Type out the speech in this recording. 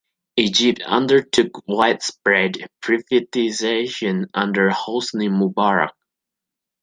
Egypt undertook widespread privatization under Hosni Mubarak.